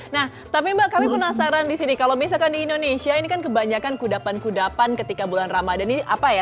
nah tapi mbak kami penasaran di sini kalau misalkan di indonesia ini kan kebanyakan kudapan kudapan ketika bulan ramadan ini apa ya